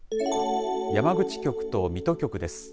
山口局と水戸局です。